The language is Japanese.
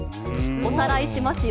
おさらいしますよ。